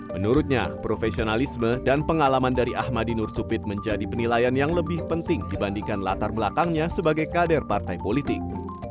menurutnya profesionalisme dan pengalaman dari ahmadi nur supit menjadi penilaian yang lebih penting dibandingkan latar belakangnya sebagai kader partai politik